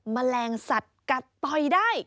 มะแรงสัตว์กัดปล่อยได้